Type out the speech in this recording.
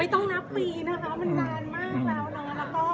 ไม่ต้องนับปีนะครับมันกลานมากแล้วนะ